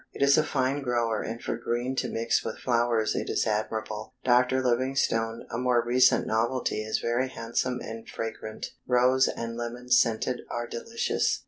It is a fine grower, and for green to mix with flowers it is admirable. Dr. Livingstone, a more recent novelty, is very handsome and fragrant. Rose and Lemon scented are delicious.